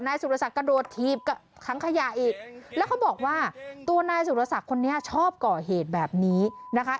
สุรศักดิ์กระโดดถีบกับถังขยะอีกแล้วเขาบอกว่าตัวนายสุรศักดิ์คนนี้ชอบก่อเหตุแบบนี้นะคะ